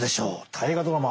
「大河ドラマ」